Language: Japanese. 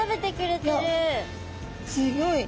すギョい。